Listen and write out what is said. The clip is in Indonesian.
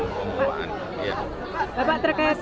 bapak terkait rumah rumah yang bermak itu yang usaha pak